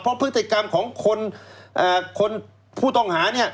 เพราะพฤติกรรมของคนผู้ต้องหาเนี่ย